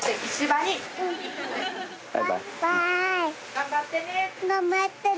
頑張ってねって。